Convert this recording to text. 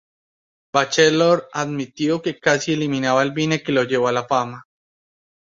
Bachelor admitió que casi eliminaba el vine que lo llevó a la fama.